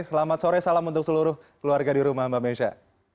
selamat sore salam untuk seluruh keluarga di rumah mbak mesha